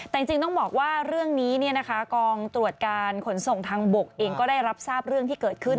แต่จริงต้องบอกว่าเรื่องนี้กองตรวจการขนส่งทางบกเองก็ได้รับทราบเรื่องที่เกิดขึ้น